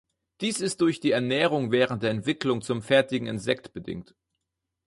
Dies ist durch die Ernährung während der Entwicklung zum fertigen Insekt bedingt.